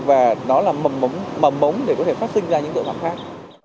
và nó là mầm mống để có thể phát sinh ra những cơ quan khác